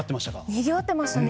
にぎわっていましたね。